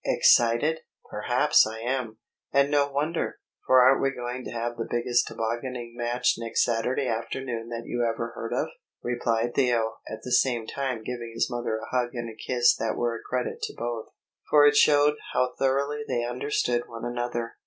"Excited? Perhaps I am; and no wonder, for aren't we going to have the biggest tobogganing match next Saturday afternoon that you ever heard of!" replied Theo, at the same time giving his mother a hug and a kiss that were a credit to both, for it showed how thoroughly they understood one another.